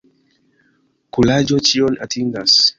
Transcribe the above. Kuraĝo ĉion atingas.